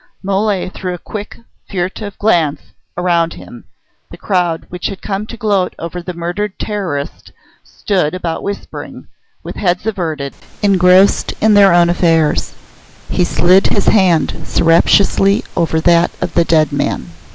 Mole threw a quick, furtive glance around him. The crowd which had come to gloat over the murdered Terrorist stood about whispering, with heads averted, engrossed in their own affairs. He slid his hand surreptitiously over that of the dead man.